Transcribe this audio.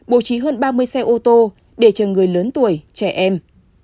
bố trí hơn ba mươi xe ô tô để chờ người lớn tuổi trẻ em